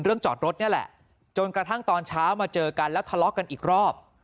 จอดรถนี่แหละจนกระทั่งตอนเช้ามาเจอกันแล้วทะเลาะกันอีกรอบ